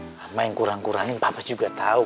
mama yang kurang kurangin papa juga tau